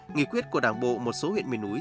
nghỉ quyết của đảng bộ một số huyện mề núi